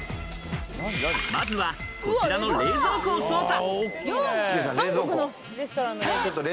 まずは、こちらの冷蔵庫を捜査。